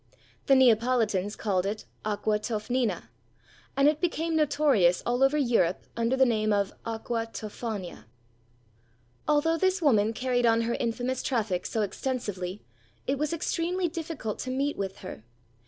The Neapolitans called it Aqua Toffnina; and it became notorious all over Europe under the name of Aqua Tophania. Although this woman carried on her infamous traffic so extensively, it was extremely difficult to meet with her.